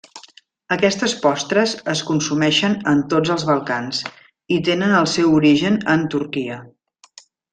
Aquestes postres es consumeixen en tots els Balcans, i tenen el seu origen en Turquia.